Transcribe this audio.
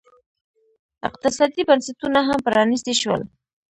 اقتصادي بنسټونه هم پرانیستي شول.